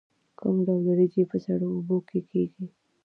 کوم ډول وریجې په سړو اوبو کې کیږي؟